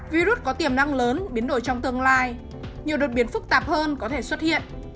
virus có tiềm năng lớn biến đổi trong tương lai nhiều đột biến phức tạp hơn có thể xuất hiện